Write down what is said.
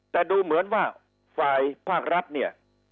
แต่ดูเหมือนว่าฝ่ายภาครัฐเนี่ย